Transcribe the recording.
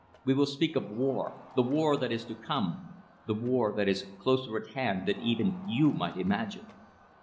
We will speak of war, the war that is to come, the war that is closer at hand than even you might imagine."